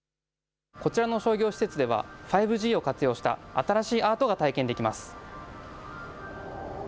こちらの商業施設では５Ｇを活用した新しいアートが体験できます。